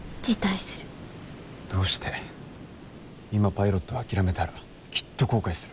今パイロットを諦めたらきっと後悔する。